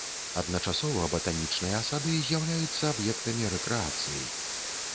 Адначасова батанічныя сады з'яўляюцца аб'ектамі рэкрэацыі.